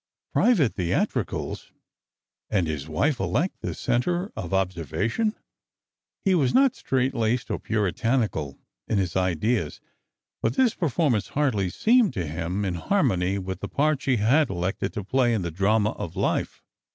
Private theatricals, and his wife elect the centre of observa tion ! He was not strait laced or puritanical in his ideas, but this performance hardly seemed to him in harmony with the part she had elected to play in the drama of life.